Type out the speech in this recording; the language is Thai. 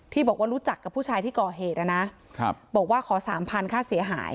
บอกว่ารู้จักกับผู้ชายที่ก่อเหตุนะครับบอกว่าขอสามพันค่าเสียหาย